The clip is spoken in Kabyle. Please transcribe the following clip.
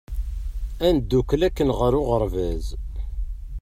Ad ndukkel akken ɣer uɣeṛbaz!